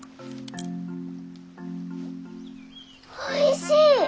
おいしい！